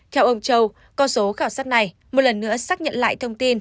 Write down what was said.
theo ông châu con số khảo sát này một lần nữa xác nhận lại thông tin